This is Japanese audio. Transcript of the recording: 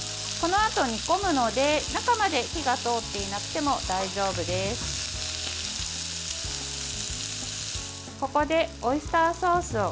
このあと煮込むので、中まで火が通っていなくても大丈夫です。